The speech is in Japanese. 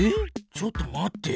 ちょっと待って。